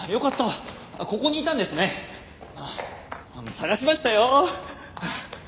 捜しましたよ。